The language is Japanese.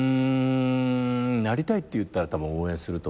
なりたいって言ったらたぶん応援すると思いますよ。